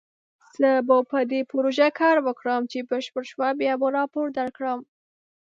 زه به په دې پروژه کار وکړم، چې بشپړ شو بیا به راپور درکړم